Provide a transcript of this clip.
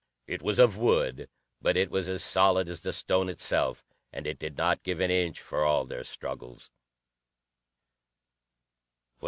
It was of wood, but it was as solid as the stone itself, and it did not give an inch for all their struggles.